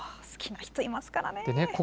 好きな人いますからね。